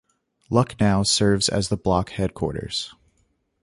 Lucknow serves as the block headquarters.